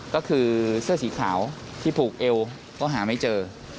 ก็คือเสื้อสีขาวที่ผูกเอวก็หาไม่เจอ